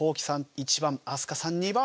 １番飛鳥さん２番。